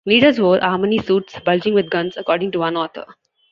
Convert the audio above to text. Leaders wore Armani suits bulging with guns, according to one author.